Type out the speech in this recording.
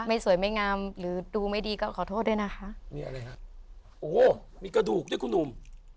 สวยไม่งามหรือดูไม่ดีก็ขอโทษด้วยนะคะมีอะไรฮะโอ้มีกระดูกด้วยคุณหนุ่ม